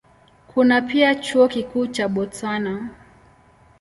Kuna pia Chuo Kikuu cha Botswana.